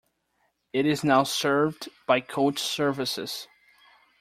It is now served by coach services.